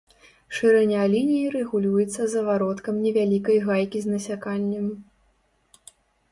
Шырыня лініі рэгулюецца завароткам невялікай гайкі з насяканнем.